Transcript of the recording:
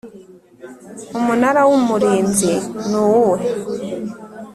Umunara w Umurinzi nuwuhe